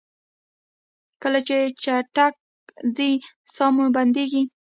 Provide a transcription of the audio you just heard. کله چې چټک ځئ ساه مو بندیږي؟